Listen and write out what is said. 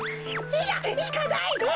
「いや！いかないで」。